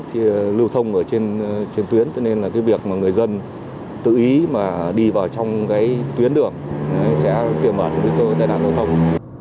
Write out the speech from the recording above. giao thông ở trên tuyến cho nên là cái việc mà người dân tự ý mà đi vào trong cái tuyến đường sẽ tiêu mật nguy cơ tai nạn giao thông